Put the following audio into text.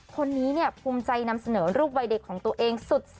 คนนี้เนี่ยภูมิใจนำเสนอรูปวัยเด็กของตัวเองสุด